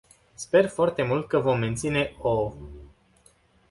Sper foarte mult că vom menține o...